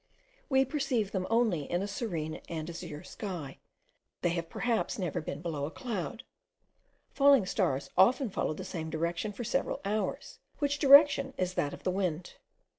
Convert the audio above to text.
We perceive them only in a serene and azure sky; they have perhaps never been below a cloud. Falling stars often follow the same direction for several hours, which direction is that of the wind.